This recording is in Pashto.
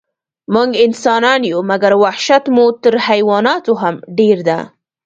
موږ انسانان یو، مګر وحشت مو تر حیواناتو هم ډېر ده.